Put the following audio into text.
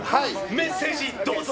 メッセージ、どうぞ。